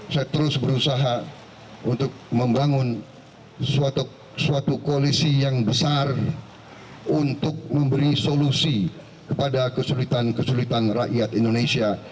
saya terus berusaha untuk membangun suatu koalisi yang besar untuk memberi solusi kepada kesulitan kesulitan rakyat indonesia